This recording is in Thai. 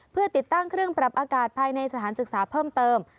เพื่อติดตั้งเครื่องปรับอากาศภายในสถานศึกษาเพิ่มเติม